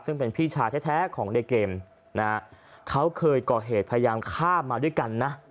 ซึ่งเป็นพี่ชายแท้ของในเกมนะฮะเขาเคยก่อเหตุพยายามฆ่ามาด้วยกันนะ